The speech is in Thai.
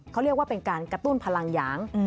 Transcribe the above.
เขาเรียกว่าเป็นการกระตุ้นพลังหยาง